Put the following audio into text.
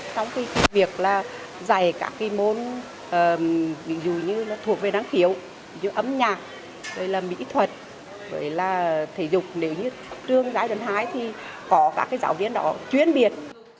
trong việc dạy các môn thuộc về đáng kiểu như âm nhạc mỹ thuật thể dục trường giải đơn hái thì có các giáo viên đó chuyên biệt